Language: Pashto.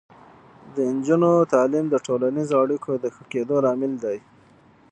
د نجونو تعلیم د ټولنیزو اړیکو د ښه کیدو لامل دی.